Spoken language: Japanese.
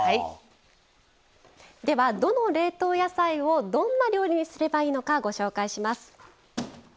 では、どの冷凍野菜をどんな料理にすればいいのかご紹介します。